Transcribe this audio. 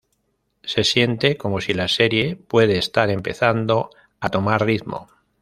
Se siente como si la serie puede estar empezando a tomar ritmo.